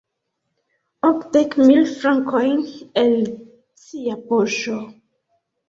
Okdek mil frankojn el cia poŝo!